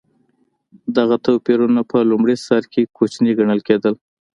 دغه توپیرونه په لومړي سر کې کوچني ګڼل کېدل.